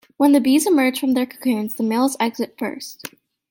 When the bees emerge from their cocoons, the males exit first.